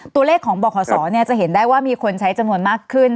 ตัวเลขของบขศจะเห็นได้ว่ามีคนใช้จำนวนมากขึ้น